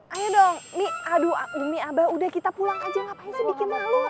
ayo dong nih aduh umi aba udah kita pulang aja ngapain sih bikin malu